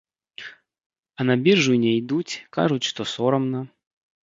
А на біржу не ідуць, кажуць, што сорамна.